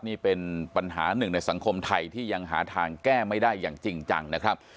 นี่เป็นปัญหาหนึ่งในสังคมไทยที่ยังหาทางแก้ไม่ได้อย่างจริงจังนะครับ